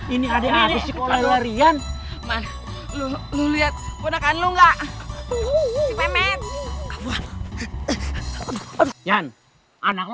ini ada ada sekolah rian man lu lihat putrakan lung sak tuh cuman ya anak lo